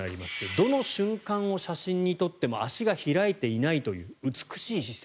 どの瞬間を写真に撮っても足が開いていないという美しい姿勢。